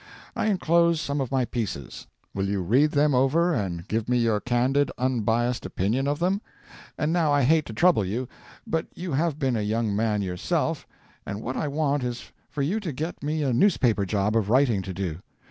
I enclose some of my pieces. Will you read them over and give me your candid, unbiased opinion of them? And now I hate to trouble you, but you have been a young man yourself, and what I want is for you to get me a newspaper job of writing to do.